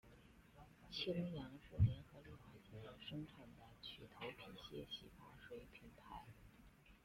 清扬是联合利华集团生产的去头皮屑洗发水品牌。